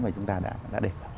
mà chúng ta đã để